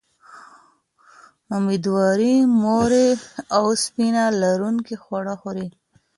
اميدوارې مورې، اوسپنه لرونکي خواړه وخوره